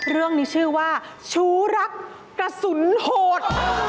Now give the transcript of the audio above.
เรื่องนี้ชื่อว่าชู้รักกระสุนโหด